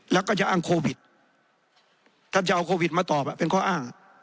แล้วก็จะอ้างโควิดท่านจะเอาโควิดมาตอบเป็นข้ออ้าง